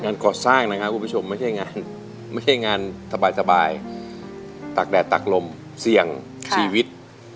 งานก่อสร้างนะคะคุณผู้ชมไม่ใช่งานหยุดไปสบายตากแดดตากลมเสี่ยงชีวิต